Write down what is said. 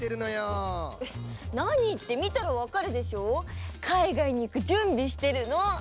なにってみたらわかるでしょ？かいがいにいくじゅんびしてるの！